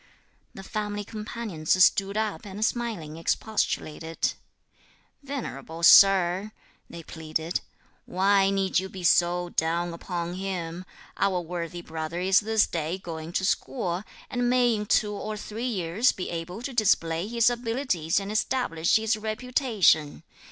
The family companions stood up and smilingly expostulated. "Venerable Sir," they pleaded, "why need you be so down upon him? Our worthy brother is this day going to school, and may in two or three years be able to display his abilities and establish his reputation.